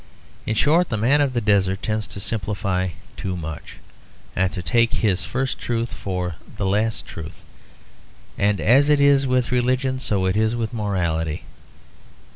In short, the man of the desert tends to simplify too much, and to take his first truth for the last truth. And as it is with religion so it is with morality.